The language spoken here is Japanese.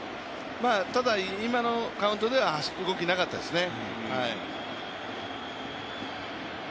ただ、今のカウントでは動きはなかったですね。